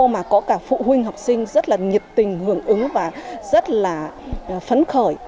mà có cả phụ huynh học sinh rất là nhiệt tình hưởng ứng và rất là phấn khởi